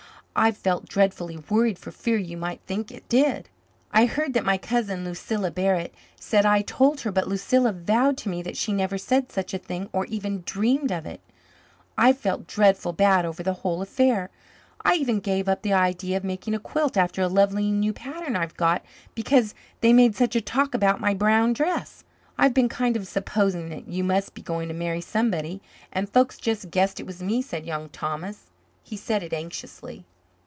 I've felt dreadfully worried for fear you might think it did. I heard that my cousin, Lucilla Barrett, said I told her, but Lucilla vowed to me that she never said such a thing or even dreamed of it. I've felt dreadful bad over the whole affair. I even gave up the idea of making a quilt after a lovely new pattern I've got because they made such a talk about my brown dress." "I've been kind of supposing that you must be going to marry somebody, and folks just guessed it was me," said Young Thomas he said it anxiously.